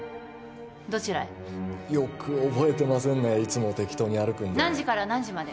どちらへよく覚えてませんねいつも適当に歩くんで何時から何時まで？